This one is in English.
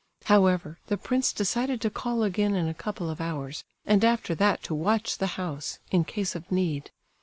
However, the prince decided to call again in a couple of hours, and after that to watch the house, in case of need.